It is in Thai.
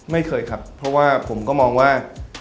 ไม่เคยครับเพราะว่าผมก็มองว่า